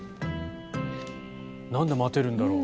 なんで待てるんだろう。